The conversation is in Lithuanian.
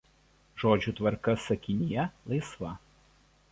Žodžių tvarka sakinyje laisva.